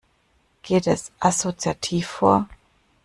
Geht es assoziativ vor?